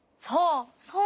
そう！